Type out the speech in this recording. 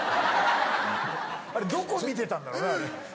あれどこを見てたんだろうね。